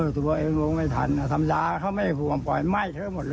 ตัวเองรวมไม่ทันธรรมดาเขาไม่ห่วงปล่อยไหม้เธอหมดเลย